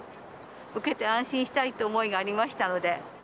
受けて安心したいという思いがありましたので。